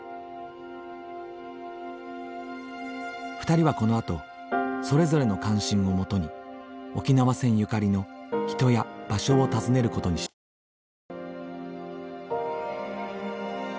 ２人はこのあとそれぞれの関心をもとに沖縄戦ゆかりの人や場所を訪ねることにしました。